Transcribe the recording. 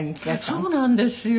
そうなんですよ。